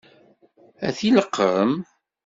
Ad t-ileqqem?